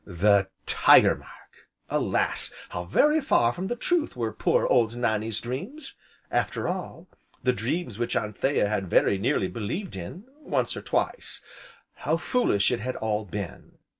'" The "Tiger Mark!" Alas! how very far from the truth were poor, old Nannie's dreams, after all, the dreams which Anthea had very nearly believed in once or twice. How foolish it had all been!